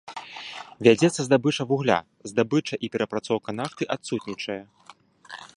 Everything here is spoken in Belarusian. Вядзецца здабыча вугля, здабыча і перапрацоўка нафты адсутнічае.